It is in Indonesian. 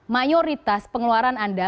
mayoritas pengeluaran anda